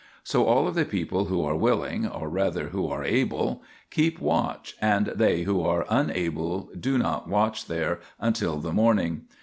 So all of the people who are willing, or rather, who are able, keep watch, and they who are unable do not watch there until the morning.